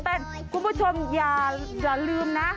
เป็นคุณผู้ชมอย่าลืมนะ